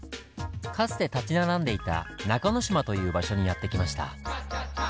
かつて建ち並んでいた中之島という場所にやって来ました。